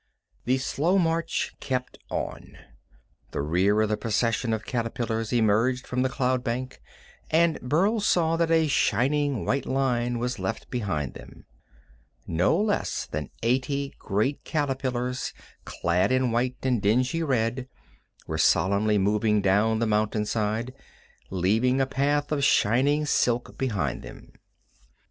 The slow march kept on. The rear of the procession of caterpillars emerged from the cloud bank, and Burl saw that a shining white line was left behind them. No less than eighty great caterpillars clad in white and dingy red were solemnly moving down the mountainside, leaving a path of shining silk behind them.